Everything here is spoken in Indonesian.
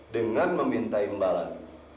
dengan meminta imbalan